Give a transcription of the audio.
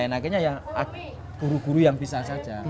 yang lain lainnya ya guru guru yang bisa saja